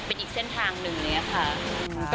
เป็นอีกเส้นทางหนึ่งอย่างนี้ค่ะ